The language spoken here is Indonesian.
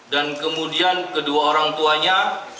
dan kemudian kedua orang tuanya